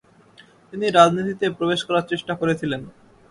তিনি রাজনীতিতে প্রবেশ করার চেষ্টা করেছিলেন।